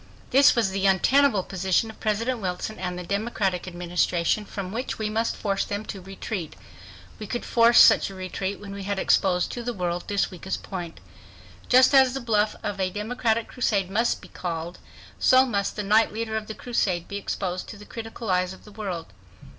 This was the untenable position of President Wilson and the Democratic Administration, from which we must force them to retreat. We could force such a retreat when we had exposed to the world this weakest point. Just as the bluff of a democratic crusade must be called, so must the knight leader of the crusade be exposed to the critical eyes of the world.